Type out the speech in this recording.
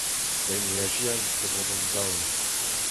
Poent eo azezañ tro-dro d'an daol.